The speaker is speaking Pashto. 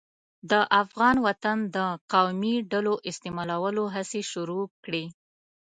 د افغان وطن د قومي ډلو استعمالولو هڅې شروع کړې.